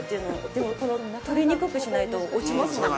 でも、取りにくくしないと、落ちますもんね。